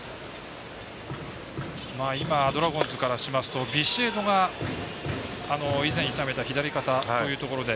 今ドラゴンズからしますとビシエドが以前痛めた左肩というところで。